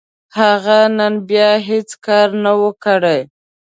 هغه نن بيا هيڅ کار نه و، کړی.